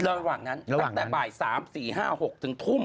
ระหว่างนั้นตั้งแต่บ่าย๓๔๕๖ถึงทุ่ม